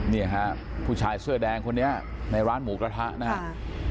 นี่ฮะผู้ชายเสื้อแดงคนนี้ในร้านหมูกระทะนะครับ